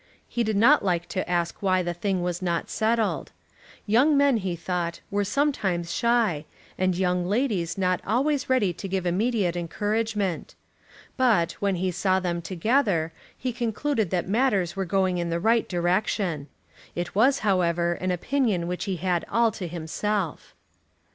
He did not like to ask why the thing was not settled. Young men, he thought, were sometimes shy, and young ladies not always ready to give immediate encouragement. But, when he saw them together, he concluded that matters were going in the right direction. It was, however, an opinion which he had all to himself.